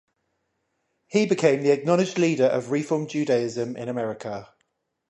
He became the acknowledged leader of Reform Judaism in America.